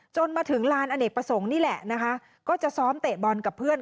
มาถึงลานอเนกประสงค์นี่แหละนะคะก็จะซ้อมเตะบอลกับเพื่อน